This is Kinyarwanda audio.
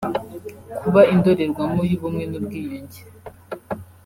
kuba indorerwamo y’ubumwe n’ubwiyunge